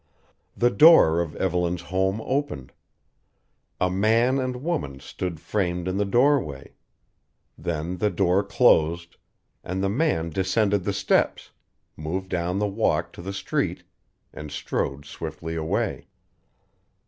The door of Evelyn's home opened. A man and woman stood framed in the doorway. Then the door closed, and the man descended the steps, moved down the walk to the street, and strode swiftly away.